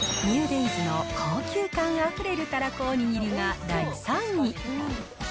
ニューデイズの高級感あふれるたらこおにぎりが第３位。